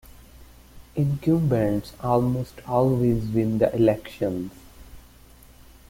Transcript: Incumbents almost always win the elections.